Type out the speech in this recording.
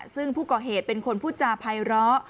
ซึ่งผู้ก่อเหตุเป็นคนพูดจาภัยร้อ